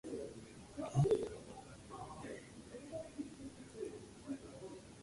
The Orinoco Belt is currently divided into four exploration and production areas.